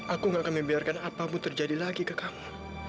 aku gak akan membiarkan apapun terjadi lagi ke kamu